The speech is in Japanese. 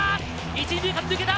１２塁間抜けた！